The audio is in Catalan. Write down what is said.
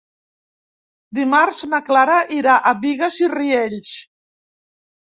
Dimarts na Clara irà a Bigues i Riells.